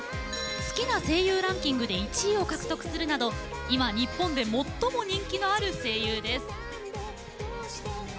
好きな声優ランキングで１位を獲得するなど今日本で最も人気のある声優です。